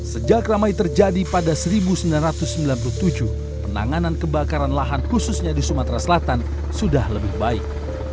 sejak ramai terjadi pada seribu sembilan ratus sembilan puluh tujuh penanganan kebakaran lahan khususnya di sumatera selatan sudah lebih baik